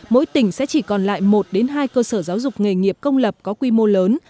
mỗi tỉnh sẽ chỉ còn lại một hai cơ sở giáo dục nghề nghiệp công lập có quy mô lớn